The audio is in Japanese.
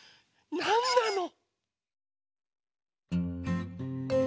なんなの？